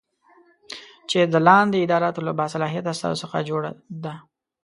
چې د لاندې اداراتو له باصلاحیته استازو څخه جوړه دی